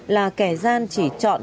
là kẻ gian chỉ chọn